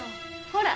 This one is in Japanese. ほら。